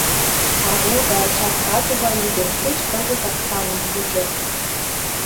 Ару да чатка тугай ӱдыр, кеч кызытак таҥым кучо.